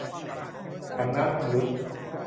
ถังน้ำชำรุด